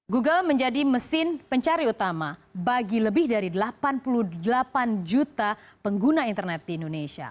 google menjadi mesin pencari utama bagi lebih dari delapan puluh delapan juta pengguna internet di indonesia